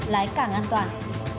lái càng an toàn